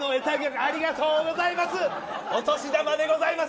ありがとうございます。